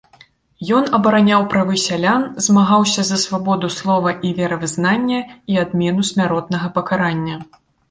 Ён абараняў правы сялян, змагаўся за свабоду слова і веравызнання і адмену смяротнага пакарання.